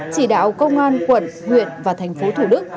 chỉ đạo công an quận huyện và thành phố thủ đức